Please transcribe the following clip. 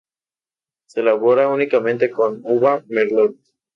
Se elabora únicamente con uva "merlot".